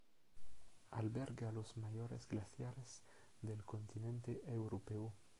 Alberga los mayores glaciares del continente europeo.